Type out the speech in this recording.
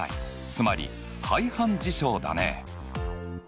つまり排反事象だね。